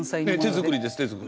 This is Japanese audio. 手作りです。